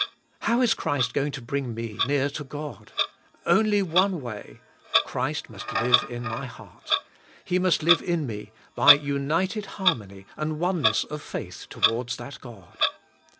How is Christ going to bring me near to God? Only one way. Christ must live in my heart. He must live in me by united har mony and oneness of faith towards that God.